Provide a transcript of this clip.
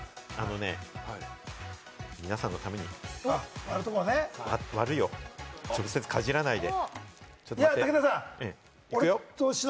わかった、皆さんのために割るよ、直接かじらないで。